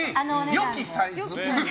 良きサイズ。